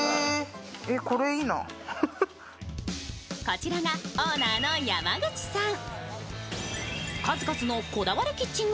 こちらがオーナーの山口さん。